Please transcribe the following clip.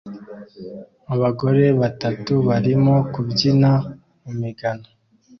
Abagore batatu barimo kubyina mu migano